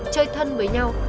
chơi thân với nhau